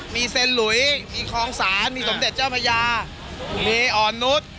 มีเซ็นหลุยมีคลองศาลมีสมเด็จเจ้าพระยามีอ่อนนุษย์